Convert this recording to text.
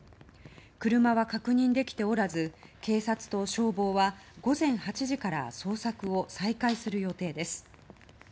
車は確認できておらず警察と消防は午前８時から捜索を再開する予定です。